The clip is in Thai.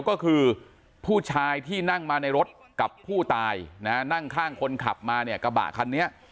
ก็คือผู้ชายที่นั่งมาในรถกับผู้ตายนะฮะนั่งข้างคนขับมาเนี่ยกระบะคันนี้